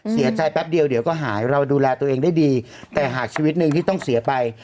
แป๊บเดียวเดี๋ยวก็หายเราดูแลตัวเองได้ดีแต่หากชีวิตหนึ่งที่ต้องเสียไป